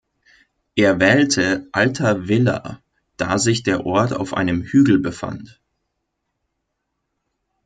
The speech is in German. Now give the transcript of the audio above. Er wählte "Alta Villa", da sich der Ort auf einem Hügel befand.